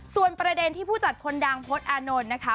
ส่วนประเด็นที่ผู้จัดคนดังพจน์อานนท์นะคะ